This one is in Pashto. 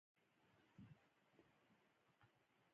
لوړ اړخ ته وي، زلمی خان دی ځان ته را کش کړ.